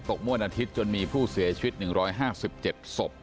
มวลอาทิตย์จนมีผู้เสียชีวิต๑๕๗ศพ